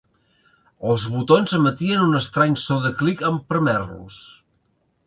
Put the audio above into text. Els botons emetien un estrany so de clic en prémer-los.